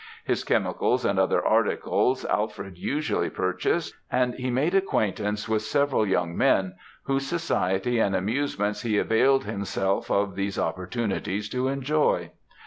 His chemicals and other articles, Alfred usually purchased, and he had made acquaintance with several young men, whose society and amusements he availed himself of these opportunities to enjoy.